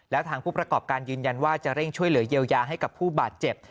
แล้วทางผู้ประกอบการยืนยันว่าจะเร่งช่วยเหลือเยียวยาให้กับผู้บาดเจ็บ